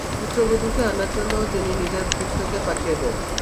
পুত্রবধুকে আনার জন্যে তিনি নিজের ভৃত্যকে পাঠিয়ে দেন।